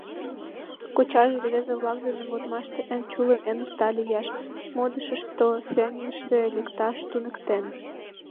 Кочаже рвезе-влак дене модмаште эн чулым, эн уста лияш, модышышто сеҥыше лекташ туныктен.